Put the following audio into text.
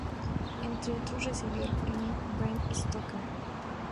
Entre otros, recibió el Premio Bram Stoker.